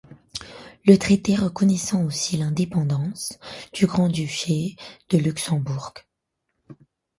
Le traité reconnaissait aussi l'indépendance du grand-duché de Luxembourg.